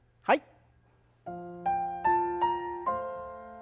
はい。